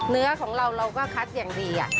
เนื้อของเราเราก็คัดอย่างดี